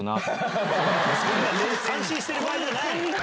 感心してる場合じゃない！